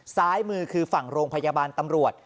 ซ้ายมือคือฝั่งโรงพยาบาลตำรวจ